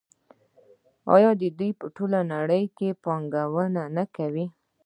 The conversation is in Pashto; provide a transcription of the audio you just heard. آیا دوی په ټوله نړۍ کې پانګونه نه کوي؟